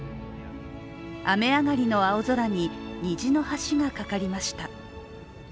雨上がりの青空に、虹の橋が架かりました。